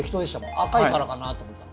赤いからかなと思ったの。